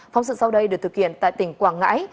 phóng sự sau đây được thực hiện tại tỉnh quảng ngãi